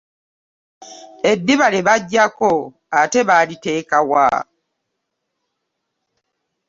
Eddiba lye baggyako ate baaliteeka wa?